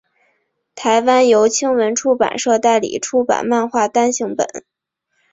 台湾由青文出版社代理出版漫画单行本。